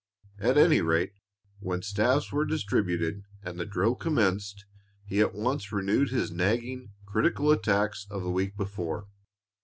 At any rate, when staves were distributed and the drill commenced, he at once renewed his nagging, critical attacks of the week before.